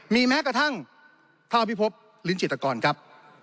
มีแม้กระทั่งเท่าอภิพบลิ้นจิตกรครับ